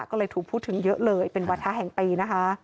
ก็เลยถูกพูดถึงเยอะเลยเป็นวาทะแห่งปีนะคะ